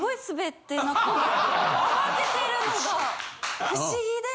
慌ててるのが不思議で。